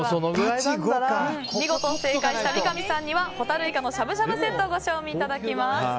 見事、正解した三上さんにはほたるいかのしゃぶしゃぶセットをご賞味いただきます。